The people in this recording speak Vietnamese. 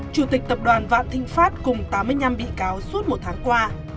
chủ tịch tập đoàn vạn thịnh pháp cùng tám mươi năm bị cáo suốt một tháng qua